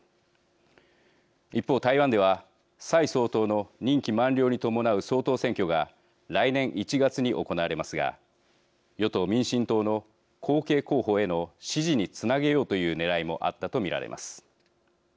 一方台湾では蔡総統の任期満了に伴う総統選挙が来年１月に行われますが与党民進党の後継候補への支持につなげようというねらいもあったと見られます。